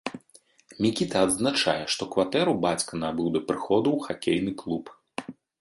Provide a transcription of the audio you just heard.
Мікіта адзначае, што кватэра бацька набыў да прыходу ў хакейны клуб.